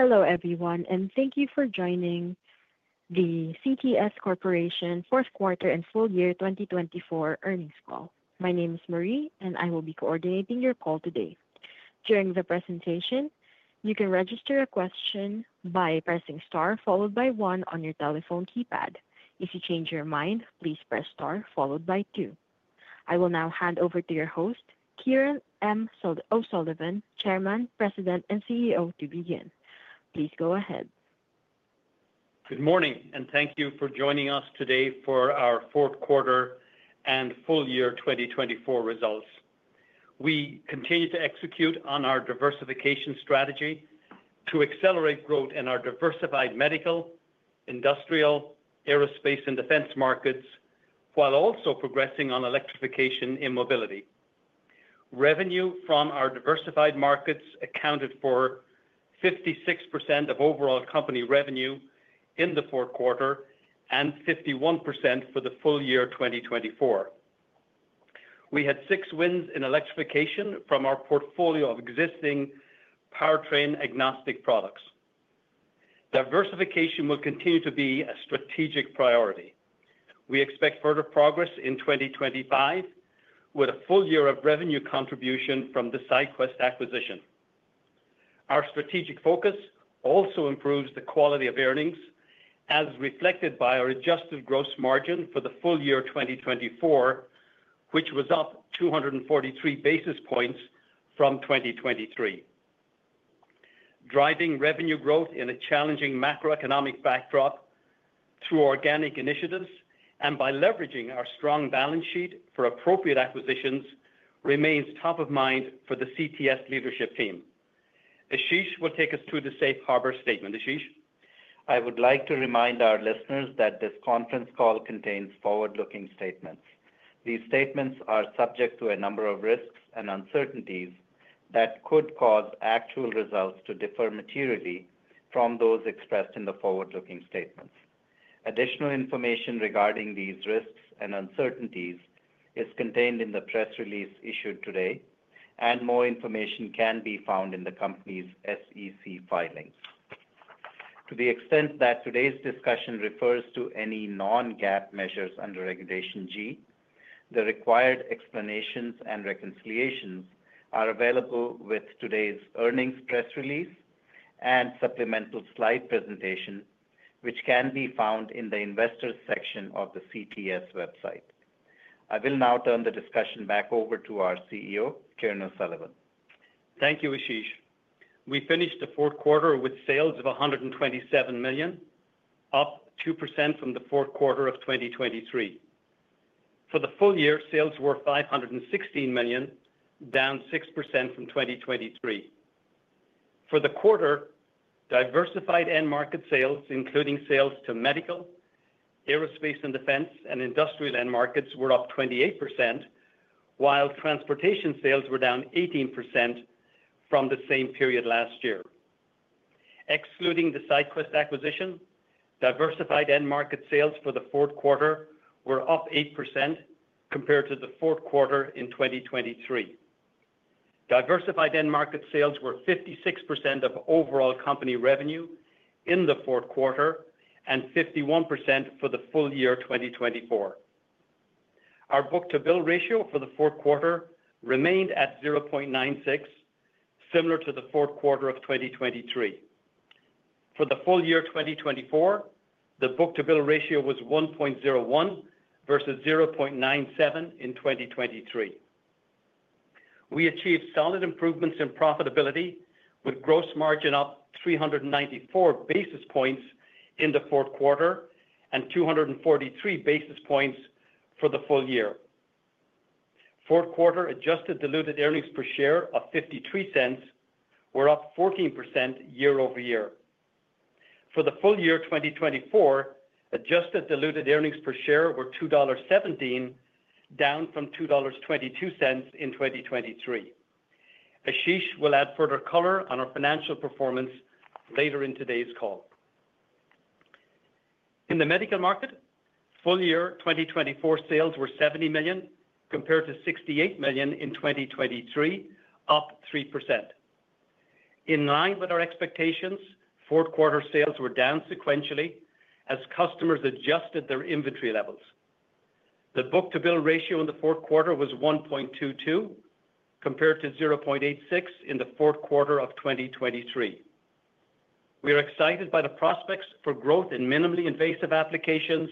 Hello everyone, and thank you for joining the CTS Corporation fourth quarter and Fiscal Year 2024 earnings call. My name is Marie, and I will be coordinating your call today. During the presentation, you can register a question by pressing star followed by one on your telephone keypad. If you change your mind, please press star followed by two. I will now hand over to your host, Kieran M. O'Sullivan, Chairman, President, and CEO, to begin. Please go ahead. Good morning, and thank you for joining us today for our fourth quarter and Fiscal Year 2024 results. We continue to execute on our diversification strategy to accelerate growth in our diversified medical, industrial, aerospace, and defense markets, while also progressing on electrification in mobility. Revenue from our diversified markets accounted for 56% of overall company revenue in the fourth quarter and 51% for the full year 2024. We had six wins in electrification from our portfolio of existing powertrain-agnostic products. Diversification will continue to be a strategic priority. We expect further progress in 2025 with a full year of revenue contribution from the SyQwest acquisition. Our strategic focus also improves the quality of earnings, as reflected by our adjusted gross margin for the full year 2024, which was up 243 basis points from 2023. Driving revenue growth in a challenging macroeconomic backdrop through organic initiatives and by leveraging our strong balance sheet for appropriate acquisitions remains top of mind for the CTS leadership team. Ashish will take us to the Safe Harbor statement. Ashish. I would like to remind our listeners that this conference call contains forward-looking statements. These statements are subject to a number of risks and uncertainties that could cause actual results to differ materially from those expressed in the forward-looking statements. Additional information regarding these risks and uncertainties is contained in the press release issued today, and more information can be found in the company's SEC filings. To the extent that today's discussion refers to any non-GAAP measures under Regulation G, the required explanations and reconciliations are available with today's earnings press release and supplemental slide presentation, which can be found in the investors' section of the CTS website. I will now turn the discussion back over to our CEO, Kieran O'Sullivan. Thank you, Ashish. We finished the fourth quarter with sales of $127 million, up 2% from the fourth quarter of 2023. For the full year, sales were $516 million, down 6% from 2023. For the quarter, diversified end market sales, including sales to medical, aerospace, and defense, and industrial end markets, were up 28%, while transportation sales were down 18% from the same period last year. Excluding the SyQwest acquisition, diversified end market sales for the fourth quarter were up 8% compared to the fourth quarter in 2023. Diversified end market sales were 56% of overall company revenue in the fourth quarter and 51% for the full year 2024. Our book-to-bill ratio for the fourth quarter remained at 0.96, similar to the fourth quarter of 2023. For the full year 2024, the book-to-bill ratio was 1.01 versus 0.97 in 2023. We achieved solid improvements in profitability, with gross margin up 394 basis points in the fourth quarter and 243 basis points for the full year. Fourth quarter adjusted diluted earnings per share of $0.53 were up 14% year over year. For the full year 2024, adjusted diluted earnings per share were $2.17, down from $2.22 in 2023. Ashish will add further color on our financial performance later in today's call. In the medical market, full year 2024 sales were $70 million compared to $68 million in 2023, up 3%. In line with our expectations, fourth quarter sales were down sequentially as customers adjusted their inventory levels. The book-to-bill ratio in the fourth quarter was 1.22 compared to 0.86 in the fourth quarter of 2023. We are excited by the prospects for growth in minimally invasive applications,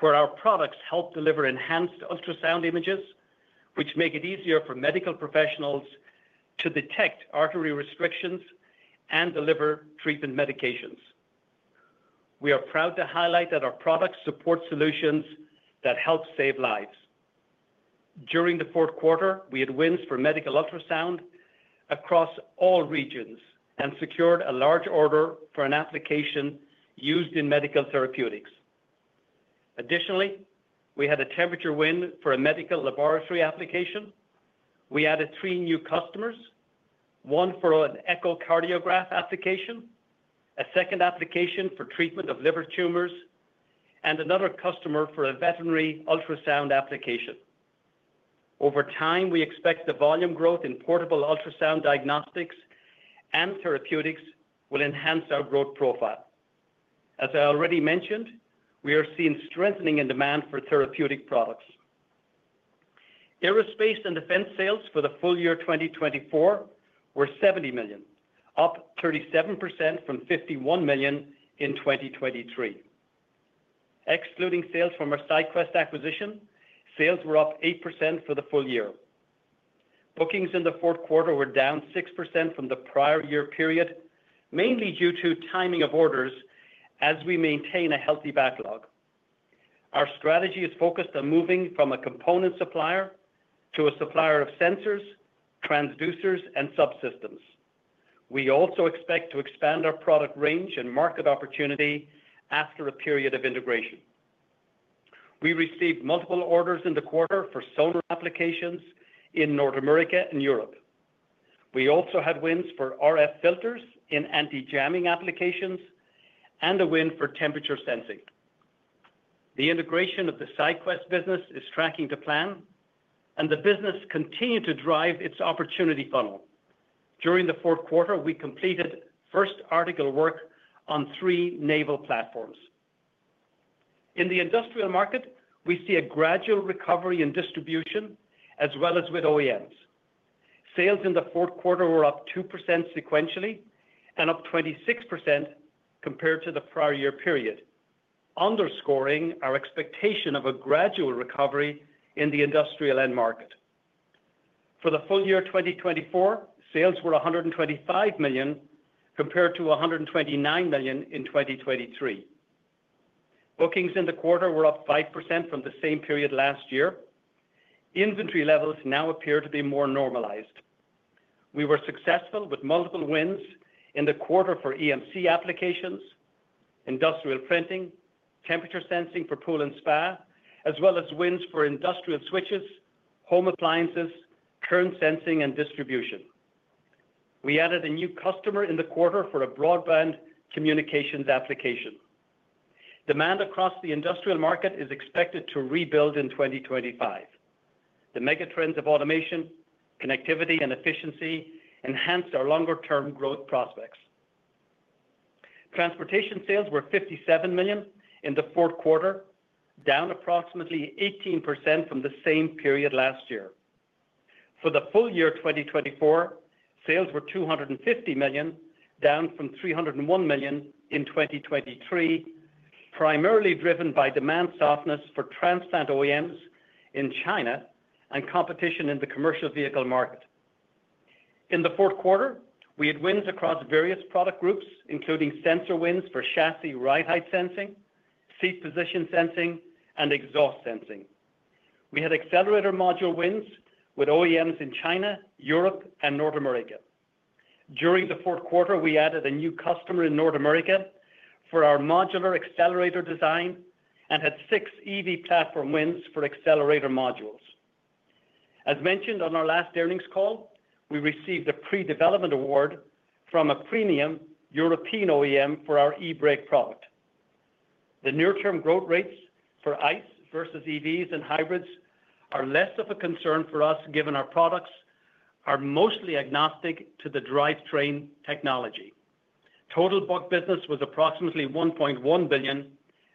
where our products help deliver enhanced ultrasound images, which make it easier for medical professionals to detect artery restrictions and deliver treatment medications. We are proud to highlight that our products support solutions that help save lives. During the fourth quarter, we had wins for medical ultrasound across all regions and secured a large order for an application used in medical therapeutics. Additionally, we had a temperature win for a medical laboratory application. We added three new customers: one for an echocardiograph application, a second application for treatment of liver tumors, and another customer for a veterinary ultrasound application. Over time, we expect the volume growth in portable ultrasound diagnostics and therapeutics will enhance our growth profile. As I already mentioned, we are seeing strengthening in demand for therapeutic products. Aerospace and defense sales for the full year 2024 were $70 million, up 37% from $51 million in 2023. Excluding sales from our SyQwest acquisition, sales were up 8% for the full year. Bookings in the fourth quarter were down 6% from the prior year period, mainly due to timing of orders as we maintain a healthy backlog. Our strategy is focused on moving from a component supplier to a supplier of sensors, transducers, and subsystems. We also expect to expand our product range and market opportunity after a period of integration. We received multiple orders in the quarter for sonar applications in North America and Europe. We also had wins for RF filters in anti-jamming applications and a win for temperature sensing. The integration of the SyQwest business is tracking to plan, and the business continued to drive its opportunity funnel. During the fourth quarter, we completed first article work on three naval platforms. In the industrial market, we see a gradual recovery in distribution, as well as with OEMs. Sales in the fourth quarter were up 2% sequentially and up 26% compared to the prior year period, underscoring our expectation of a gradual recovery in the industrial end market. For the full year 2024, sales were $125 million compared to $129 million in 2023. Bookings in the quarter were up 5% from the same period last year. Inventory levels now appear to be more normalized. We were successful with multiple wins in the quarter for EMC applications, industrial printing, temperature sensing for pool and spa, as well as wins for industrial switches, home appliances, current sensing, and distribution. We added a new customer in the quarter for a broadband communications application. Demand across the industrial market is expected to rebuild in 2025. The megatrends of automation, connectivity, and efficiency enhanced our longer-term growth prospects. Transportation sales were $57 million in the fourth quarter, down approximately 18% from the same period last year. For the full year 2024, sales were $250 million, down from $301 million in 2023, primarily driven by demand softness for transplant OEMs in China and competition in the commercial vehicle market. In the fourth quarter, we had wins across various product groups, including sensor wins for chassis ride height sensing, seat position sensing, and exhaust sensing. We had accelerator module wins with OEMs in China, Europe, and North America. During the fourth quarter, we added a new customer in North America for our modular accelerator design and had six EV platform wins for accelerator modules. As mentioned on our last earnings call, we received a pre-development award from a premium European OEM for our e-brake product. The near-term growth rates for ICE versus EVs and hybrids are less of a concern for us, given our products are mostly agnostic to the drivetrain technology. Total book business was approximately $1.1 billion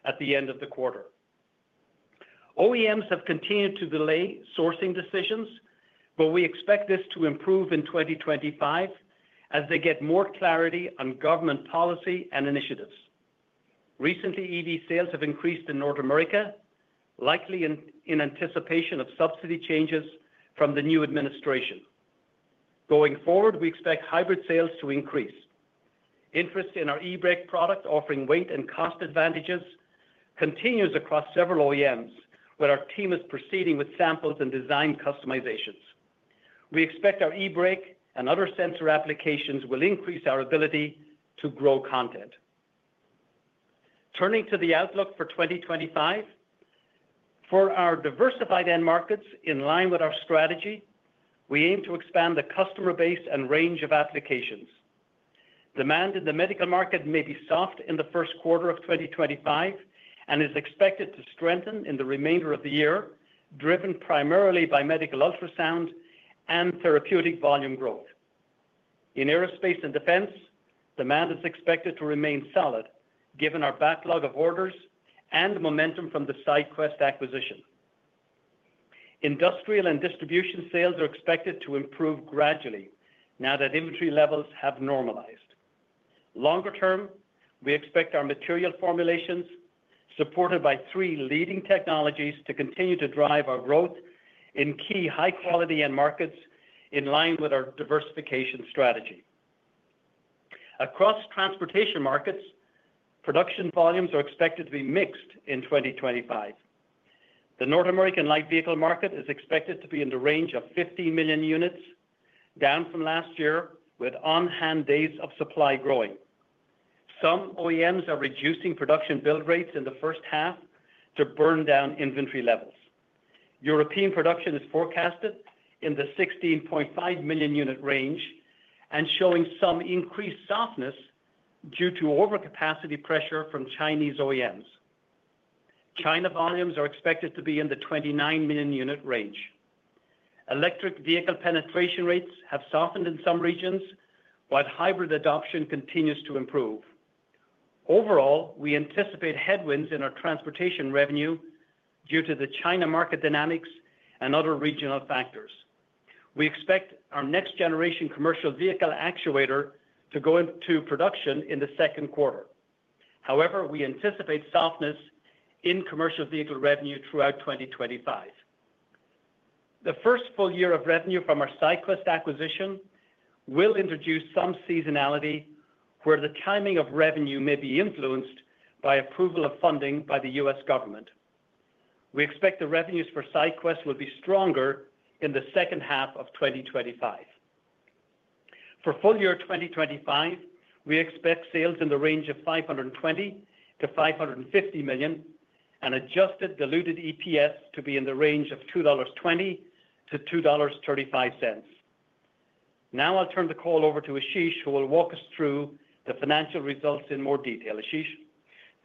at the end of the quarter. OEMs have continued to delay sourcing decisions, but we expect this to improve in 2025 as they get more clarity on government policy and initiatives. Recently, EV sales have increased in North America, likely in anticipation of subsidy changes from the new administration. Going forward, we expect hybrid sales to increase. Interest in our e-brake product, offering weight and cost advantages, continues across several OEMs, where our team is proceeding with samples and design customizations. We expect our e-brake and other sensor applications will increase our ability to grow content. Turning to the outlook for 2025, for our diversified end markets, in line with our strategy, we aim to expand the customer base and range of applications. Demand in the medical market may be soft in the first quarter of 2025 and is expected to strengthen in the remainder of the year, driven primarily by medical ultrasound and therapeutic volume growth. In aerospace and defense, demand is expected to remain solid, given our backlog of orders and momentum from the SyQwest acquisition. Industrial and distribution sales are expected to improve gradually now that inventory levels have normalized. Longer term, we expect our material formulations, supported by three leading technologies, to continue to drive our growth in key high-quality end markets in line with our diversification strategy. Across transportation markets, production volumes are expected to be mixed in 2025. The North American light vehicle market is expected to be in the range of 50 million units, down from last year, with on-hand days of supply growing. Some OEMs are reducing production build rates in the first half to burn down inventory levels. European production is forecasted in the 16.5 million unit range and showing some increased softness due to overcapacity pressure from Chinese OEMs. China volumes are expected to be in the 29 million unit range. Electric vehicle penetration rates have softened in some regions, while hybrid adoption continues to improve. Overall, we anticipate headwinds in our transportation revenue due to the China market dynamics and other regional factors. We expect our next-generation commercial vehicle actuator to go into production in the second quarter. However, we anticipate softness in commercial vehicle revenue throughout 2025. The first full year of revenue from our SyQwest acquisition will introduce some seasonality, where the timing of revenue may be influenced by approval of funding by the U.S. government. We expect the revenues for SyQwest will be stronger in the second half of 2025. For full year 2025, we expect sales in the range of $520 million-$550 million and adjusted diluted EPS to be in the range of $2.20-$2.35. Now I'll turn the call over to Ashish, who will walk us through the financial results in more detail. Ashish,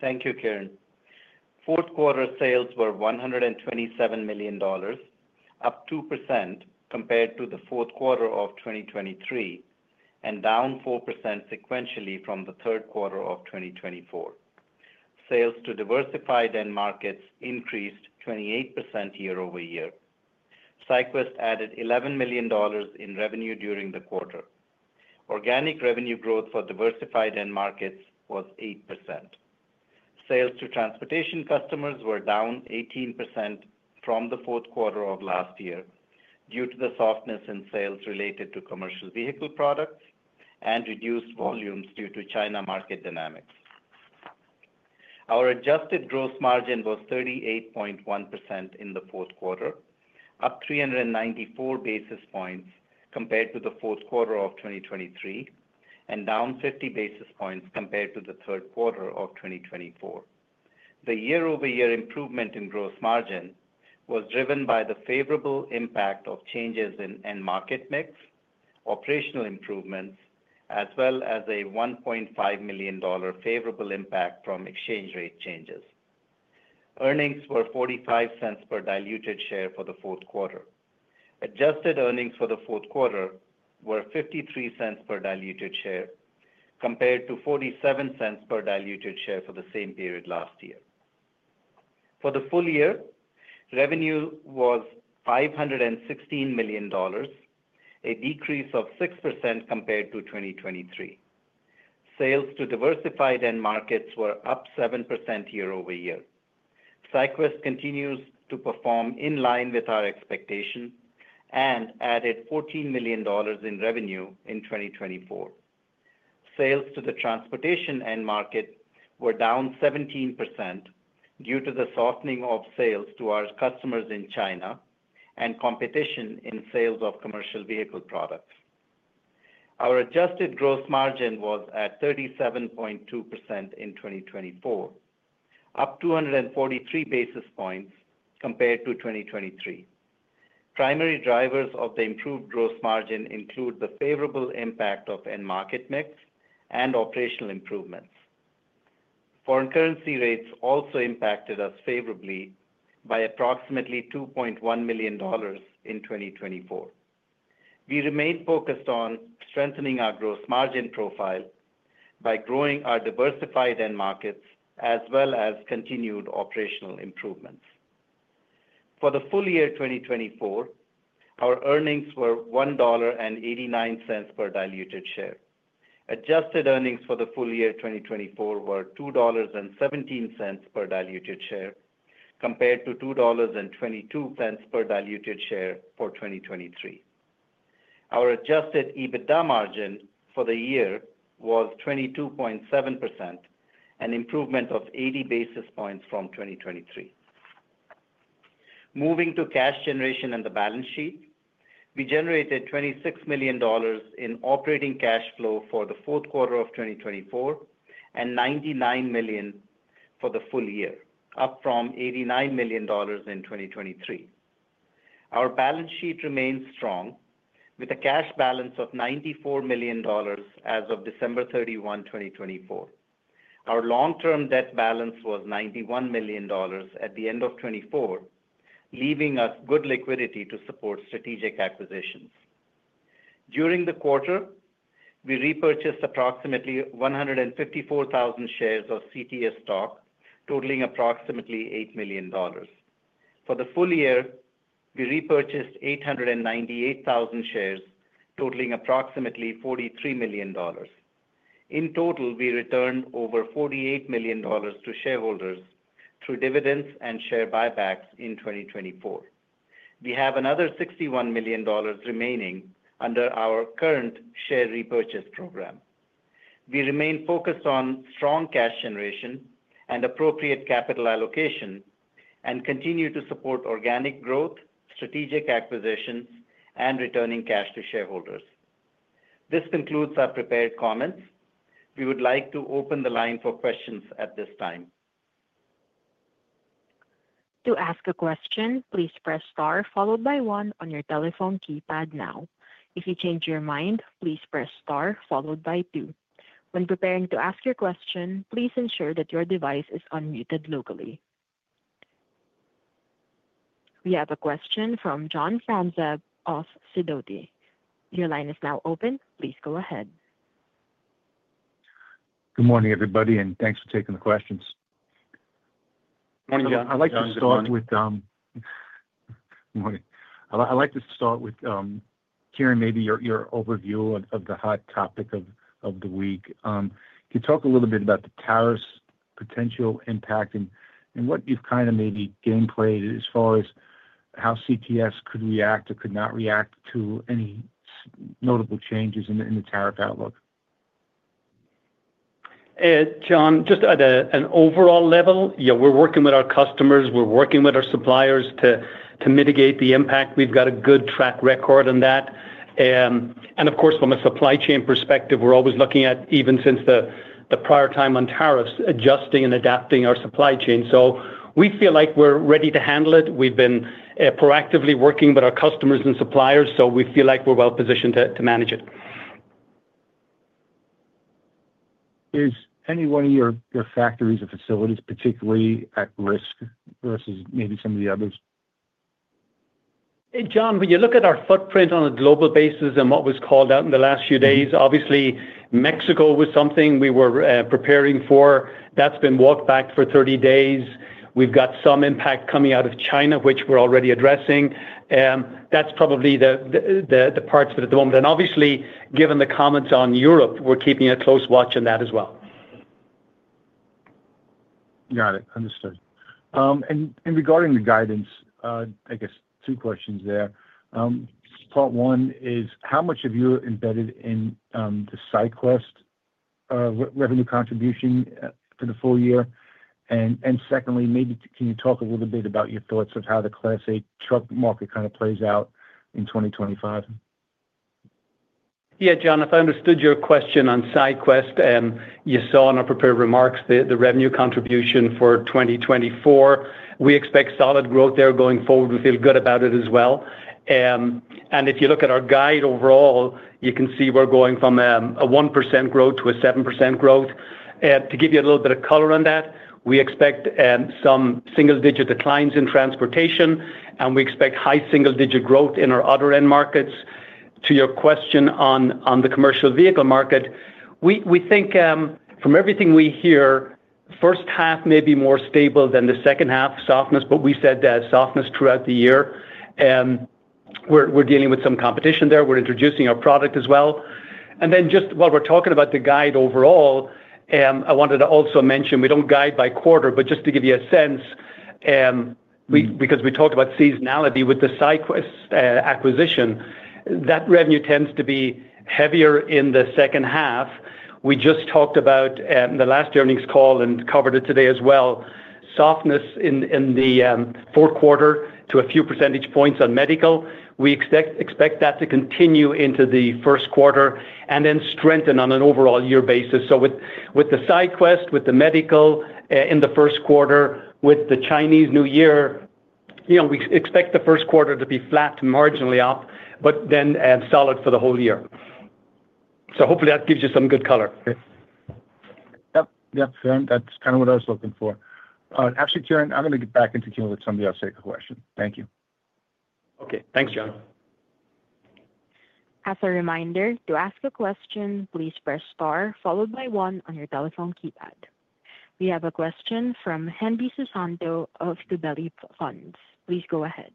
thank you, Kieran. Fourth quarter sales were $127 million, up 2% compared to the fourth quarter of 2023, and down 4% sequentially from the third quarter of 2024. Sales to diversified end markets increased 28% year-over-year. SyQwest added $11 million in revenue during the quarter. Organic revenue growth for diversified end markets was 8%. Sales to transportation customers were down 18% from the fourth quarter of last year due to the softness in sales related to commercial vehicle products and reduced volumes due to China market dynamics. Our adjusted gross margin was 38.1% in the fourth quarter, up 394 basis points compared to the fourth quarter of 2023, and down 50 basis points compared to the third quarter of 2024. The year-over-year improvement in gross margin was driven by the favorable impact of changes in end market mix, operational improvements, as well as a $1.5 million favorable impact from exchange rate changes. Earnings were $0.45 per diluted share for the fourth quarter. Adjusted earnings for the fourth quarter were $0.53 per diluted share compared to $0.47 per diluted share for the same period last year. For the full year, revenue was $516 million, a decrease of 6% compared to 2023. Sales to diversified end markets were up 7% year-over-year. SyQwest continues to perform in line with our expectation and added $14 million in revenue in 2024. Sales to the transportation end market were down 17% due to the softening of sales to our customers in China and competition in sales of commercial vehicle products. Our adjusted gross margin was at 37.2% in 2024, up 243 basis points compared to 2023. Primary drivers of the improved gross margin include the favorable impact of end market mix and operational improvements. Foreign currency rates also impacted us favorably by approximately $2.1 million in 2024. We remained focused on strengthening our gross margin profile by growing our diversified end markets, as well as continued operational improvements. For the full year 2024, our earnings were $1.89 per diluted share. Adjusted earnings for the full year 2024 were $2.17 per diluted share compared to $2.22 per diluted share for 2023. Our adjusted EBITDA margin for the year was 22.7%, an improvement of 80 basis points from 2023. Moving to cash generation and the balance sheet, we generated $26 million in operating cash flow for the fourth quarter of 2024 and $99 million for the full year, up from $89 million in 2023. Our balance sheet remained strong, with a cash balance of $94 million as of December 31, 2024. Our long-term debt balance was $91 million at the end of 2024, leaving us good liquidity to support strategic acquisitions. During the quarter, we repurchased approximately 154,000 shares of CTS stock, totaling approximately $8 million. For the full year, we repurchased 898,000 shares, totaling approximately $43 million. In total, we returned over $48 million to shareholders through dividends and share buybacks in 2024. We have another $61 million remaining under our current share repurchase program. We remain focused on strong cash generation and appropriate capital allocation and continue to support organic growth, strategic acquisitions, and returning cash to shareholders. This concludes our prepared comments. We would like to open the line for questions at this time. To ask a question, please press star followed by one on your telephone keypad now. If you change your mind, please press star followed by two. When preparing to ask your question, please ensure that your device is unmuted locally. We have a question from John Franzreb of Sidoti. Your line is now open. Please go ahead. Good morning, everybody, and thanks for taking the questions. Good morning, John. I'd like to start with. Good morning. I'd like to start with hearing maybe your overview of the hot topic of the week. Can you talk a little bit about the tariffs' potential impact and what you've kind of maybe game planned as far as how CTS could react or could not react to any notable changes in the tariff outlook? John, just at an overall level, yeah, we're working with our customers. We're working with our suppliers to mitigate the impact. We've got a good track record on that. And of course, from a supply chain perspective, we're always looking at, even since the prior time on tariffs, adjusting and adapting our supply chain. So we feel like we're ready to handle it. We've been proactively working with our customers and suppliers, so we feel like we're well-positioned to manage it. Is any one of your factories or facilities particularly at risk versus maybe some of the others? John, when you look at our footprint on a global basis and what was called out in the last few days, obviously, Mexico was something we were preparing for. That's been walked back for 30 days. We've got some impact coming out of China, which we're already addressing. That's probably the parts at the moment. And obviously, given the comments on Europe, we're keeping a close watch on that as well. Got it. Understood and regarding the guidance, I guess two questions there. Part one is, how much have you embedded in the SyQwest revenue contribution for the full year? And secondly, maybe can you talk a little bit about your thoughts of how the Class 8 truck market kind of plays out in 2025? Yeah, John, if I understood your question on SyQwest, you saw in our prepared remarks the revenue contribution for 2024. We expect solid growth there going forward. We feel good about it as well. And if you look at our guide overall, you can see we're going from a 1% growth to a 7% growth. To give you a little bit of color on that, we expect some single-digit declines in transportation, and we expect high single-digit growth in our other end markets. To your question on the commercial vehicle market, we think from everything we hear, first half may be more stable than the second half, softness, but we said that softness throughout the year. We're dealing with some competition there. We're introducing our product as well. And then, just while we're talking about the guide overall, I wanted to also mention we don't guide by quarter, but just to give you a sense, because we talked about seasonality with the SyQwest acquisition, that revenue tends to be heavier in the second half. We just talked about the last earnings call and covered it today as well. Softness in the fourth quarter to a few percentage points on medical. We expect that to continue into the first quarter and then strengthen on an overall year basis. So with the SyQuest, with the medical in the first quarter, with the Chinese New Year, we expect the first quarter to be flat, marginally up, but then solid for the whole year. So hopefully that gives you some good color. Yep. Yep, Kieran, that's kind of what I was looking for. Actually, Kieran, I'm going to get back to Kieran with somebody else to take a question. Thank you. Okay. Thanks, John. As a reminder, to ask a question, please press star followed by one on your telephone keypad. We have a question from Hendi Susanto of Gabelli Funds. Please go ahead.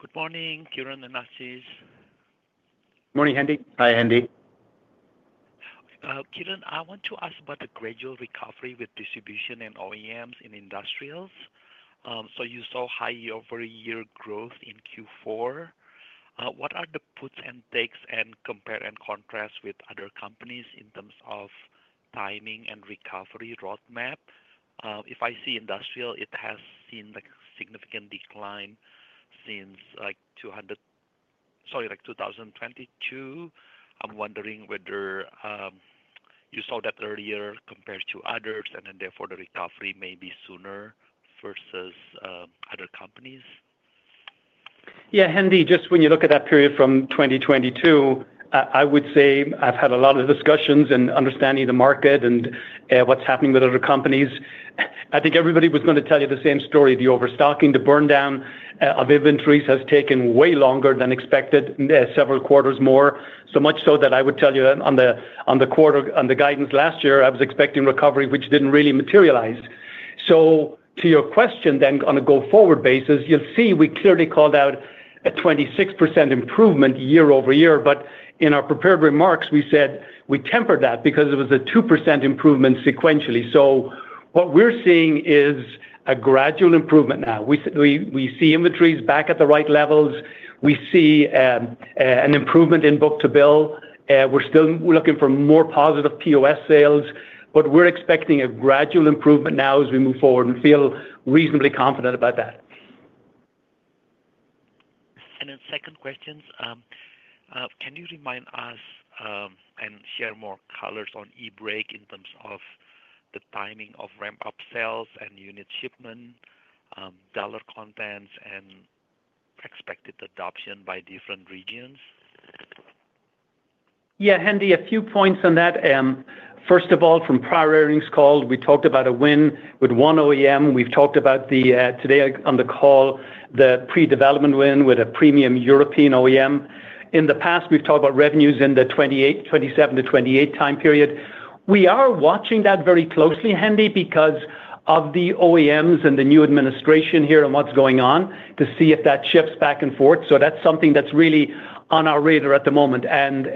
Good morning, Kieran and Ashish. Good morning, Hendi. Hi, Hendi. Kieran, I want to ask about the gradual recovery with distribution and OEMs in industrials. So you saw high year-over-year growth in Q4. What are the puts and takes and compare and contrast with other companies in terms of timing and recovery roadmap? If I see industrial, it has seen a significant decline since 2022. I'm wondering whether you saw that earlier compared to others, and then therefore the recovery may be sooner versus other companies. Yeah, Hendi, just when you look at that period from 2022, I would say I've had a lot of discussions in understanding the market and what's happening with other companies. I think everybody was going to tell you the same story. The overstocking, the burndown of inventories has taken way longer than expected, several quarters more, so much so that I would tell you on the guidance last year, I was expecting recovery, which didn't really materialize. So to your question, then on a go-forward basis, you'll see we clearly called out a 26% improvement year over year, but in our prepared remarks, we said we tempered that because it was a 2% improvement sequentially. So what we're seeing is a gradual improvement now. We see inventories back at the right levels. We see an improvement in book to bill. We're still looking for more positive POS sales, but we're expecting a gradual improvement now as we move forward and feel reasonably confident about that. And then, second question, can you remind us and share more color on e-brake in terms of the timing of ramp-up sales and unit shipment, dollar content, and expected adoption by different regions? Yeah, Hendi, a few points on that. First of all, from prior earnings call, we talked about a win with one OEM. We've talked about today on the call, the pre-development win with a premium European OEM. In the past, we've talked about revenues in the 2027-2028 time period. We are watching that very closely, Hendi, because of the OEMs and the new administration here and what's going on to see if that shifts back and forth. So that's something that's really on our radar at the moment. And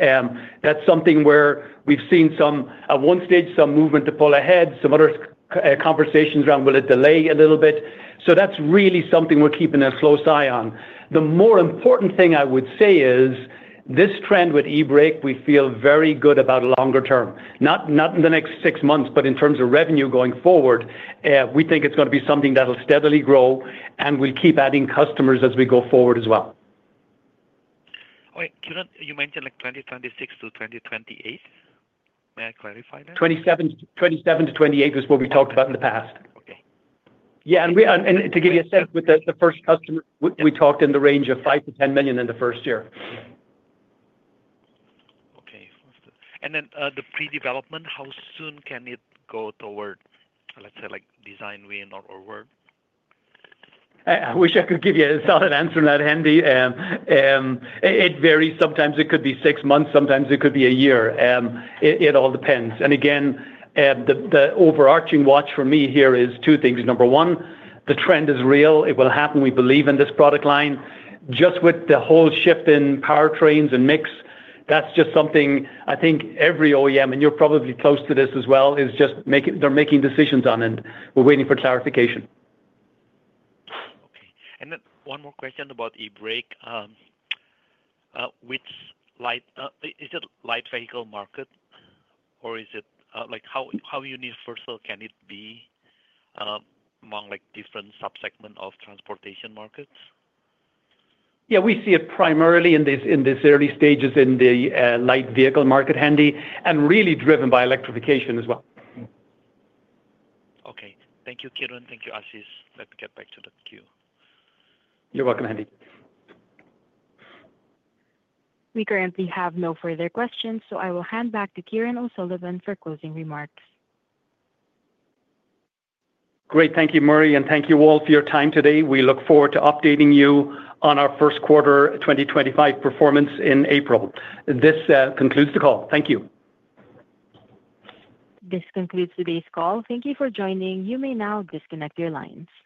that's something where we've seen at one stage some movement to pull ahead, some other conversations around, will it delay a little bit? So that's really something we're keeping a close eye on. The more important thing I would say is this trend with e-brake. We feel very good about longer term, not in the next six months, but in terms of revenue going forward. We think it's going to be something that'll steadily grow and we'll keep adding customers as we go forward as well. Wait, Kieran, you mentioned like 2026-2028. May I clarify that? 2027-2028 is what we talked about in the past. Okay. Yeah, and to give you a sense, with the first customer, we talked in the range of $5-$10 million in the first year. Okay. And then the pre-development, how soon can it go toward, let's say, design win or work? I wish I could give you a solid answer on that, Hendi. It varies. Sometimes it could be six months. Sometimes it could be a year. It all depends, and again, the overarching watch for me here is two things. Number one, the trend is real. It will happen. We believe in this product line. Just with the whole shift in powertrains and mix, that's just something I think every OEM, and you're probably close to this as well, is just they're making decisions on, and we're waiting for clarification. Okay. And then one more question about e-brake. Is it a light vehicle market, or is it how universal can it be among different subsegments of transportation markets? Yeah, we see it primarily in these early stages in the light vehicle market, Hendi, and really driven by electrification as well. Okay. Thank you, Kieran. Thank you, Ashish. Let me get back to the queue. You're welcome, Hendy. We currently have no further questions, so I will hand back to Kieran O'Sullivan for closing remarks. Great. Thank you, Marie, and thank you all for your time today. We look forward to updating you on our first quarter 2025 performance in April. This concludes the call. Thank you. This concludes today's call. Thank you for joining. You may now disconnect your lines.